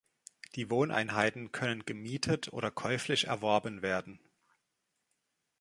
Die Wohneinheiten können gemietet oder käuflich erworben werden.